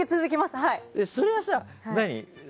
それはさ、何？